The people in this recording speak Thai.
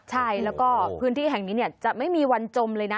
ใช่แล้วก็พื้นที่แห่งนี้จะไม่มีวันจมเลยนะ